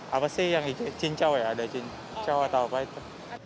apa sih yang cincau ya ada cincau atau apa itu